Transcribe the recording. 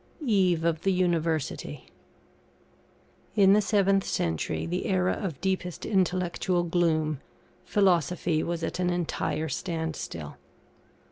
EVE OF THE UNIVERSITY. In the 7th century, the era of deepest intellectual gloom, philosophy was at an entire stand still.